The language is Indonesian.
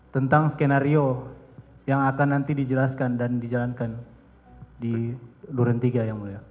tentang skenario yang akan nanti dijelaskan dan dijalankan di duren tiga yang mulia